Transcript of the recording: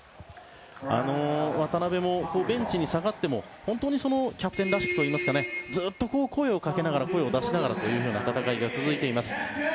渡邊もベンチに下がっても本当にキャプテンらしくといいますかずっと声をかけながら声を出しながらという戦いが続いています。